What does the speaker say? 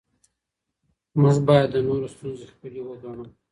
موږ باید د نورو ستونزې خپلې وګڼو